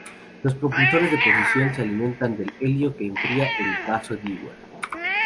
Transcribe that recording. Los propulsores de posición se alimentan del helio que enfría el vaso Dewar.